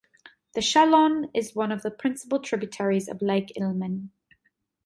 The Shelon is one of the principal tributaries of Lake Ilmen.